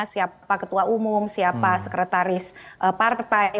siapa ketua umum siapa sekretaris partai